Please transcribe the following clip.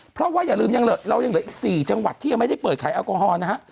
เพราะว่าอย่าลืมยังเหลือเรายังเหลืออีก๔จังหวัดที่ยังไม่ได้เปิดขายแอลกอฮอล์นะฮะ